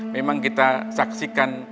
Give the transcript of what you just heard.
memang kita saksikan